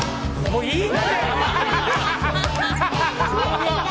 もういい！